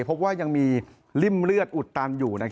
พบว่ายังมีริ่มเลือดอุดตันอยู่